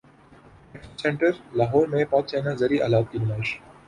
expo centre Lahore میں Pak China زرعی الات کی نمائش